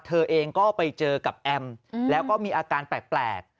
เธอเองก็ไปเจอกับแอมแล้วก็มีอาการแปลก